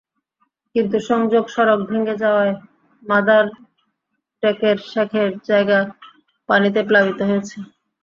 কিন্তু সংযোগ সড়ক ভেঙে যাওয়ায় মাদারটেকের শেখের জায়গা পানিতে প্লাবিত হয়েছে।